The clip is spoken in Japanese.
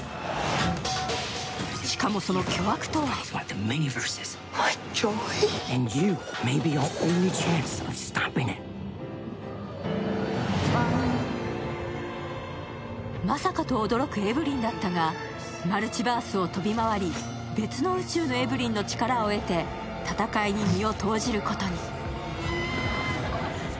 しかもその巨悪とはまさかと驚くエヴリンだったが、マルチバースを飛び回り別の宇宙のエヴリンの力を得て戦いに身を投じることに。